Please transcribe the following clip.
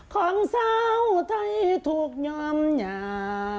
ของเจ้าทายถูกยอมอย่า